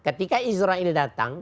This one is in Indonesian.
ketika israel datang